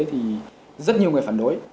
thì rất nhiều người phản đối